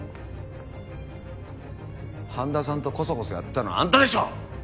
般田さんとコソコソやってたのはあんたでしょ！